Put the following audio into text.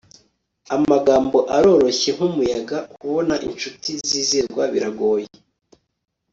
amagambo aroroshye, nk'umuyaga; kubona inshuti zizerwa biragoye